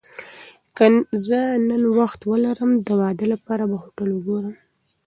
که زه نن وخت ولرم، د واده لپاره به هوټل وګورم.